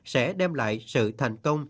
sẽ đem lại sự thành công